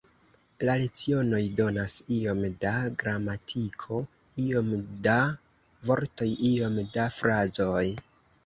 La lecionoj donas iom da gramatiko, iom da vortoj, iom da frazoj.